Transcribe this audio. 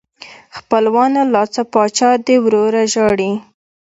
خپلوانو لا څه پاچا دې ورور ژاړي.